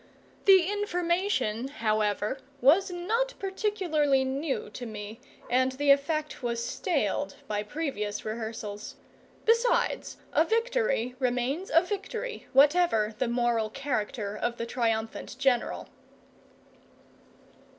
The information, however, was not particularly new to me, and the effect was staled by previous rehearsals. Besides, a victory remains a victory, whatever the moral character of the triumphant general.